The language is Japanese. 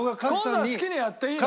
今度は好きにやっていいの？